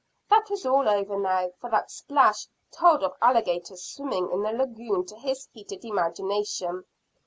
That was all over now, for that splash told of alligators swimming in the lagoon to his heated imagination.